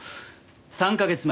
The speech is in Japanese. ３カ月前